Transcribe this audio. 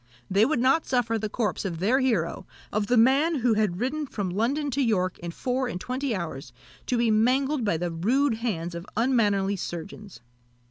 They would not suffer the corpse of their hero of the man who had ridden from London to York in four and twenty hours to be mangled by the rude hands of unmannerly surgeons.